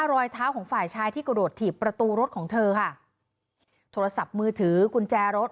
รอยเท้าของฝ่ายชายที่กระโดดถีบประตูรถของเธอค่ะโทรศัพท์มือถือกุญแจรถ